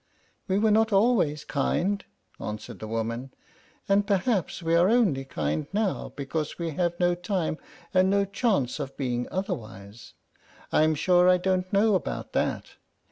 "We were not always kind," answered the woman; "and perhaps we are only kind now because we have no time, and no chance of being otherwise. I'm sure I don't know about that.